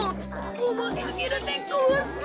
おもすぎるでごわす！